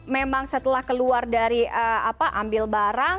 memang setelah keluar dari ambil barang